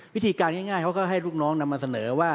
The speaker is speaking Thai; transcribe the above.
วิธีการง่ายเขาก็ให้ลูกน้องนำมาเสนอว่า